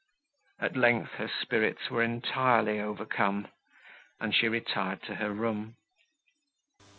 At length, her spirits were entirely overcome, and she retired to her room.